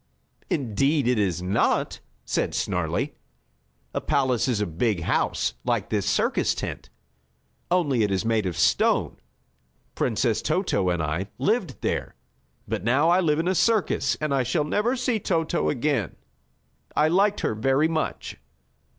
"Indeed it is not," said Snarlie. "A palace is a big house, like this circus tent, only it is made of stone. Princess Toto and I lived there, but now I live in a circus, and I shall never see Toto again! I liked her very much."